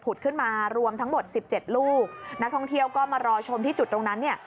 ขึ้นมารวมทั้งหมดสิบเจ็ดลูกนักท่องเที่ยวก็มารอชมที่จุดตรงนั้นเนี่ย